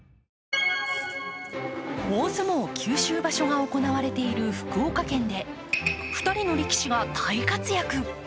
大相撲九州場所が行われている福岡県で２人の力士が大活躍！